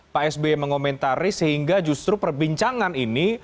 pak sby mengomentari sehingga justru perbincangan ini